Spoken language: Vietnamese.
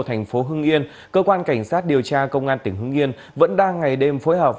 thành phố hưng yên cơ quan cảnh sát điều tra công an tỉnh hưng yên vẫn đang ngày đêm phối hợp